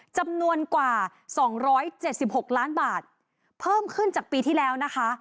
จำนวนกว่าสองร้อยเจ็ดสิบหกล้านบาทเพิ่มขึ้นจากปีที่แล้วนะคะ